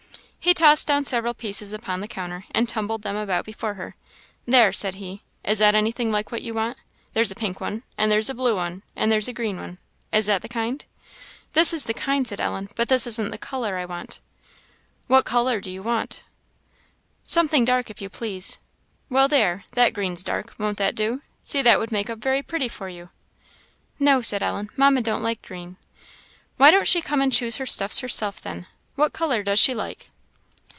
He tossed down several pieces upon the counter, and tumbled them about before her. "There," said he, "is that anything like what you want? There's a pink one and there's a blue one and there's a green one. Is that the kind?" "This is the kind," said Ellen; "but this isn't the colour I want." "What colour do you want?" "Something dark, if you please." "Well, there, that green's dark; won't that do? See, that would make up very pretty for you." "No," said Ellen, "Mamma don't like green." "Why don't she come and choose her stuffs herself, then? What colour does she like?"